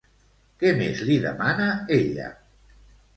Què més li demana ella?